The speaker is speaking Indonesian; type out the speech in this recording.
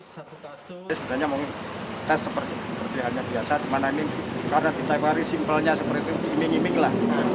sebenarnya mau tes seperti hanya biasa karena di tepari simpelnya seperti iming iming lah